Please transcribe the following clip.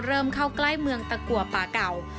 เริ่มเข้าใกล้เมืองตะกัวป่าเก่า